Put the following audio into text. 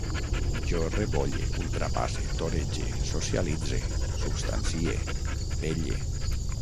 Jo rebolle, ultrapasse, torege, socialitze, substancie, pelle